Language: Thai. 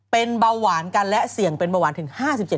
เป็นเบาหวานกันและเสี่ยงเป็นเบาหวานถึง๕๗